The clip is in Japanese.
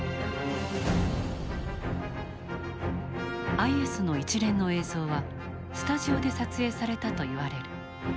ＩＳの一連の映像はスタジオで撮影されたといわれる。